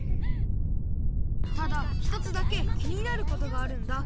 ただひとつだけきになることがあるんだ